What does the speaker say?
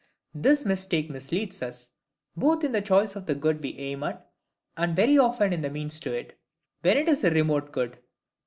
This mistake misleads us, both in the choice of the good we aim at, and very often in the means to it, when it is a remote good.